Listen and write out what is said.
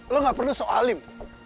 lo gak perlu sok halim